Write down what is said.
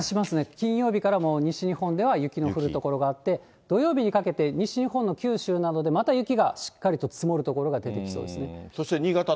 金曜日からもう西日本では雪の降る所があって、土曜日にかけて、西日本の九州などでまた雪がしっかりと積もる所が出てきそうですね。